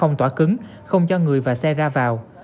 phong tỏa cứng không cho người và xe ra vào